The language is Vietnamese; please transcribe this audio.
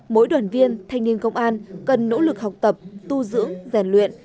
mỗi đoàn viên thanh niên công an cần nỗ lực học tập tu dưỡng rèn luyện